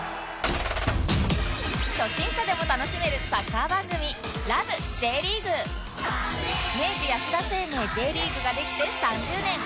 初心者でも楽しめるサッカー番組明治安田生命 Ｊ リーグができて３０年！